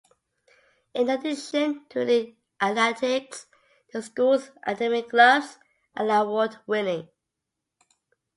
In addition to elite athletics the school's academic clubs are award winning.